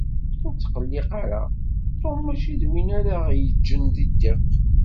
Ur ttqelliq ara. Tom mačči d win ara ɣ-yeǧǧen di ddiq.